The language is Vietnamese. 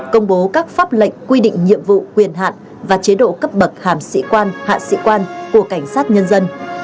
công bố các pháp lệnh quy định nhiệm vụ quyền hạn và chế độ cấp bậc hàm sĩ quan hạ sĩ quan của cảnh sát nhân dân